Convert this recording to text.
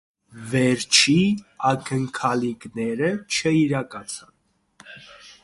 Վերջին ակնկալիքները չիրականացան։